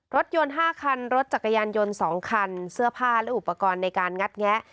รถยนต์๕คันรถจักรยานยนต์๒คันเสื้อผ้าและอุปกรณ์ในการงัดแงะ